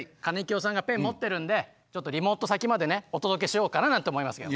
きよさんがペン持ってるんでちょっとリモート先までねお届けしようかななんて思いますけどね。